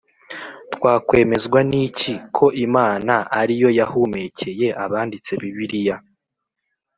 Twakwemezwa n iki ko Imana ari yo yahumekeye abanditse Bibiliya